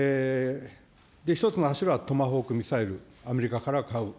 一つの柱はトマホークミサイル、アメリカから買う。